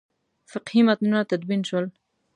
فقهي متنونه تدوین شول.